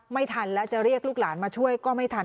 ไม่ทันแล้วจะเรียกลูกหลานมาช่วยก็ไม่ทัน